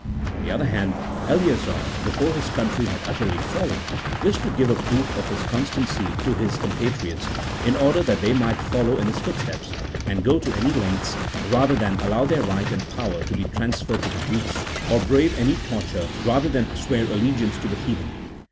On the other hand, Eleazar, before his country had utterly fallen, wished to give a proof of his constancy to his compatriots, in order that they might follow in his footsteps, and go to any lengths, rather than allow their right and power to be transferred to the Greeks, or brave any torture rather than swear allegiance to the heathen.